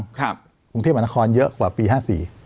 ครับกรุงเทพฯบรนาค้อนเยอะกว่ามาย๕๔